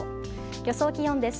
予想気温です。